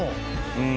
うん。